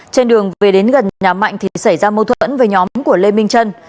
trên đường về đến gần nhà mạnh thì xảy ra mâu thuẫn với nhóm của lê minh trân